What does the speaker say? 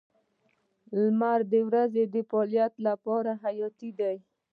• لمر د ورځې د فعالیت لپاره حیاتي دی.